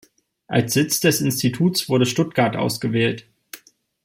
Als Sitz des Instituts wurde Stuttgart ausgewählt.